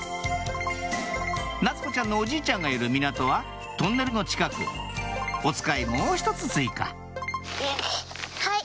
夏子ちゃんのおじいちゃんがいる港はトンネルの近くおつかいもう１つ追加はい。